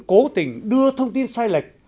cố tình đưa thông tin sai lệch